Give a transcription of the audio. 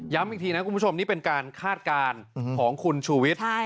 อีกทีนะคุณผู้ชมนี่เป็นการคาดการณ์ของคุณชูวิทย์